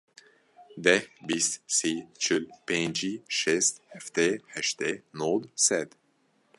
Deh, bîst, sî, çil, pêncî, şêst, heftê, heştê, nod, sed.